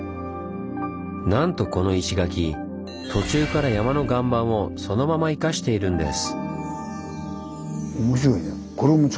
なんとこの石垣途中から山の岩盤をそのまま生かしているんです。